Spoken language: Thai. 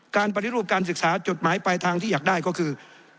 การปฏิรูปการศึกษาจุดหมายปลายทางที่อยากได้ก็คือ